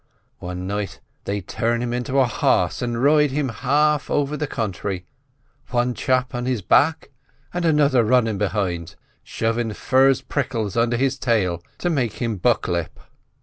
One night they'd turn him into a harse an' ride him half over the county, wan chap on his back an' another runnin' behind, shovin' furze prickles under his tail to make him buck lep.